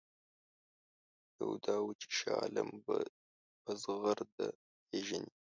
یوه دا وه چې شاه عالم په زغرده وپېژني.